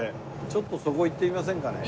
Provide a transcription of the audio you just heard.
ちょっとそこ行ってみませんかね。